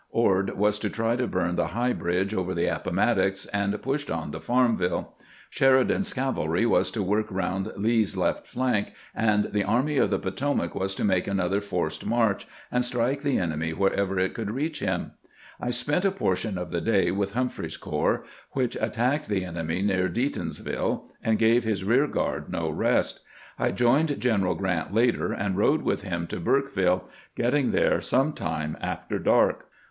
Ord was to try to burn the High Bridge over the Appomattox, and pnsh on to Farmville. Sher idan's cavalry was to work around Lee's left flank, and the Army of the Potomac was to make another forced march, and strike the enemy wherever it could reach him. I spent a portion of the day with Humphreys's corps, which attacked the enemy near Deatonsville and gave his rear guard no rest. I joined General Grant later, and rode with him 'to Burkeville, getting there some time after dark.